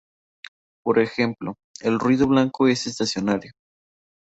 Por ejemplo, el ruido blanco es estacionario.